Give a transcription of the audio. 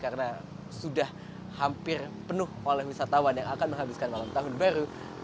karena sudah hampir penuh oleh wisatawan yang akan menghabiskan malam tahun baru